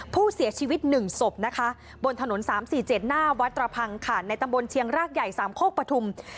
ผู้เสียชีวิต๑ศพนะคะบนถนน๓๔๗หน้าวัดตระพังค่ะในตำบลเชียงรากใหญ่๓โคกปฐุม